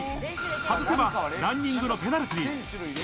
外せばランニングのペナルティー。